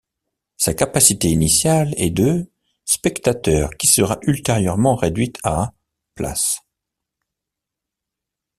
Sa capacité initiale est de spectateurs qui sera ultérieurement réduite à places.